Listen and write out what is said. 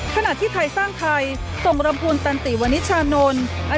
ขณะที่ไทยสร้างไทยส่งรำพูนตันติวนิชานนท์